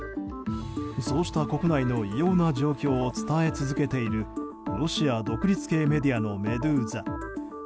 そうした国内の異様な状況を伝え続けているロシア独立系メディアのメドゥーザ。